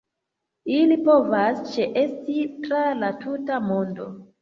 Ili povas ĉeesti tra la tuta mondo.